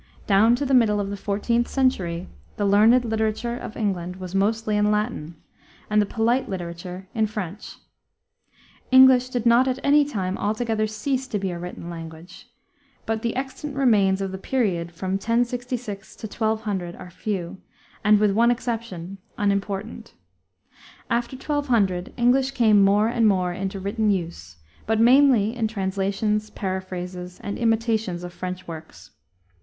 Down to the middle of the 14th century the learned literature of England was mostly in Latin, and the polite literature in French. English did not at any time altogether cease to be a written language, but the extant remains of the period from 1066 to 1200 are few and, with one exception, unimportant. After 1200 English came more and more into written use, but mainly in translations, paraphrases, and imitations of French works.